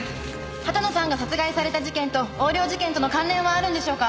畑野さんが殺害された事件と横領事件との関連はあるんでしょうか？